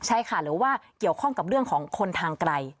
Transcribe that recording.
ใช่ค่ะหรือว่าเกี่ยวข้องกับเรื่องของคนทางไกล